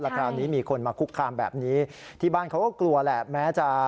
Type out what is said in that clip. คราวนี้มีคนมาคุกคามแบบนี้ที่บ้านเขาก็กลัวแหละแม้จะ